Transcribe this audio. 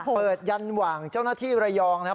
ยันหว่างเจ้าหน้าที่ระยองนะครับ